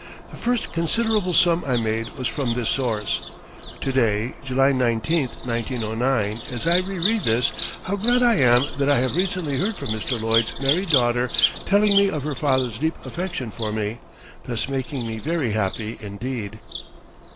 The first considerable sum I made was from this source. [To day, July 19, 1909, as I re read this, how glad I am that I have recently heard from Mr. Lloyd's married daughter telling me of her father's deep affection for me, thus making me very happy, indeed.